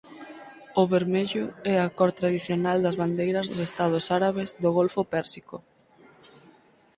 O vermello é a cor tradicional das bandeiras dos estados árabes do Golfo Pérsico.